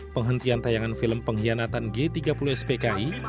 penghentian tayangan film pengkhianatan g tiga puluh spki